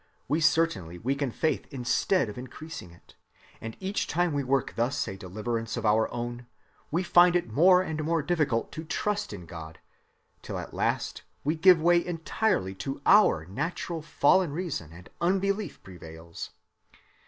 We certainly weaken faith instead of increasing it; and each time we work thus a deliverance of our own we find it more and more difficult to trust in God, till at last we give way entirely to our natural fallen reason and unbelief prevails.